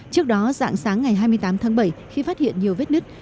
trước đó dạng sáng ngày hai mươi tám tháng bảy khi phát hiện nhiều vết nứt